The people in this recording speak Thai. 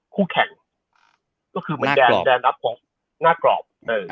คู่แข่งก็คือเหมือนแกนรับของหน้ากรอบ